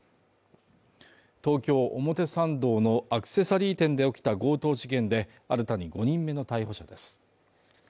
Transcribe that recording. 東京・表参道のアクセサリー店で起きた強盗事件で新たに５人目の逮捕者です。